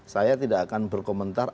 saya tidak akan berkomentar